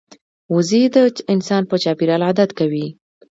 وزې د انسان په چاپېریال عادت کوي